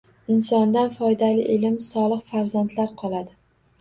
Insondan foydali ilm, solih farzandlar qoladi